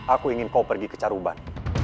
aku ingin kau pergi ke caruban